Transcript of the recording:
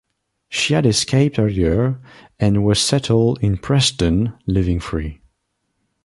She had escaped earlier and was settled in Preston, living free.